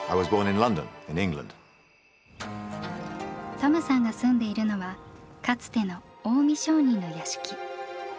トムさんが住んでいるのはかつての近江商人の屋敷。